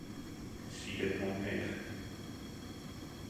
Side omheech.